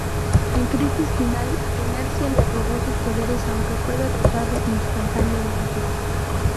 En Crisis Final, Inercia le robó sus poderes aunque fue derrotado instantáneamente.